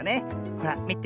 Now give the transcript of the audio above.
ほらみて。